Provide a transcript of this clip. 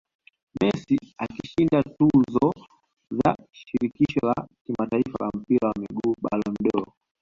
Messi akishinda tuzo za shirikisho la kimataifa la mpira wa miguu Ballons dOr